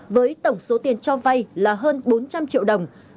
với tổng số tiền cho vay là hơn bốn trăm linh triệu đồng